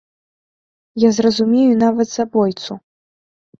Я зразумею нават забойцу.